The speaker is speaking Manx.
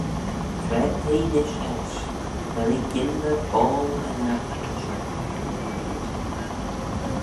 C'raad t'eh nish eisht; vel eh gyndyr boayl ennagh ayns shoh?" dooyrt eh.